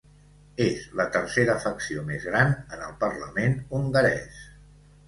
És la tercera facció més gran en el Parlament hongarès.